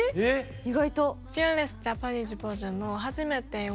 意外と。